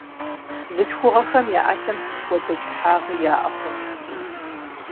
Бзылъхугъэхэм я ӏэлъэхэм сыт хуэдэ кӏыхьагъи яӏэ хъунут.